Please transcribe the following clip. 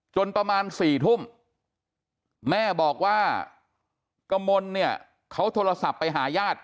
ประมาณ๔ทุ่มแม่บอกว่ากมลเนี่ยเขาโทรศัพท์ไปหาญาติ